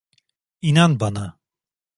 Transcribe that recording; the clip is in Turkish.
İnan bana.